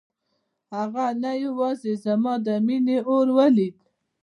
هغه نه یوازې زما د مينې اور ولید.